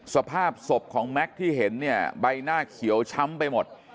สภาพศพของแม็กซ์ที่เห็นเนี่ยใบหน้าเขียวช้ำไปหมด